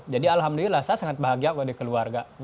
jadi alhamdulillah saya sangat bahagia kalau di keluarga